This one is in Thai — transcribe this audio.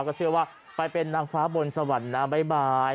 ก็เชื่อว่าไปเป็นนางฟ้าบนสวรรค์น้ำบ๊ายบาย